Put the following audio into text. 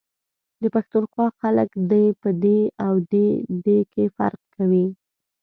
د پښتونخوا خلک دی ، په دي او دی.دے کي فرق کوي ،